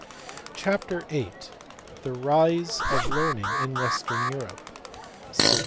134 CHAPTER VIII. THE RISE OF LEARNING IN WESTERN EUROPE.* CIRC.